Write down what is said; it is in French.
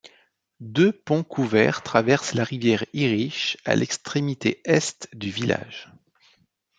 Deux ponts couverts traversent la rivière Irish à l'extrémité est du village.